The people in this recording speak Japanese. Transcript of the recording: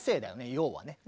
要はね。